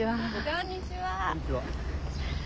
こんにちは。